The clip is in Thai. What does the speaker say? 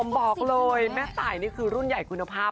บอกเลยแม่ตายนี่คือรุ่นใหญ่คุณภาพ